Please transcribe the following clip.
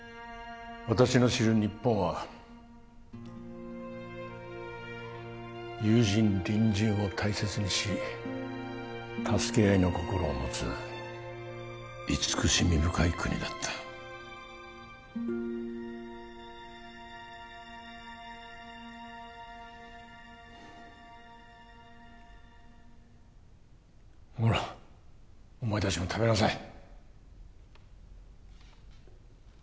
私の知る日本は友人隣人を大切にし助け合いの心を持つ慈しみ深い国だったほらお前達も食べなさい